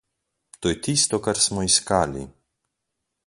To je tisto, kar smo iskali!